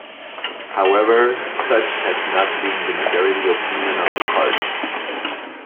However, such has not been the majority opinion of the court.